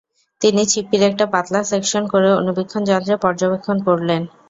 তিনি ছিপির একটি পাতলা সেকশন করে অণুবীক্ষণ যন্রে পর্যবেক্ষণ করলেন।